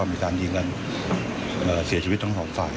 มีสารยิงการเสียชีวิตทั้ง๒ฝ่าย